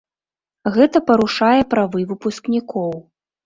Гэта парушае правы выпускнікоў.